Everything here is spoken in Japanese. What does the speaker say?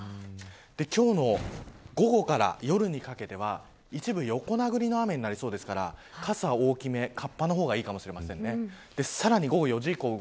今日の午後から夜にかけては一部横殴りの雨になりそうですから傘は大きめ、かっぱの方がいいかもしれません。